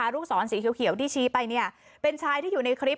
ลูกศรสีเขียวที่ชี้ไปเป็นชายที่อยู่ในคลิป